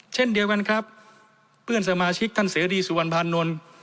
เช่นเดียวกันครับเพื่อนสมาชิกท่านเสรีสุวรรณภานนท์